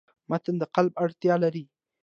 متن د قالب اړتیا لري.